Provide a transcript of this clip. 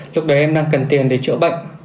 lúc đấy em đang cần tiền để chữa bệnh